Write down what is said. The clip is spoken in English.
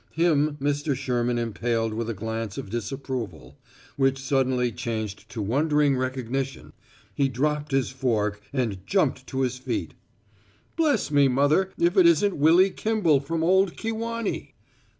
Him Mr. Sherman impaled with a glance of disapproval which suddenly changed to wondering recognition. He dropped his fork and jumped to his feet. "Bless me, mother, if it isn't Willy Kimball from old Kewanee!"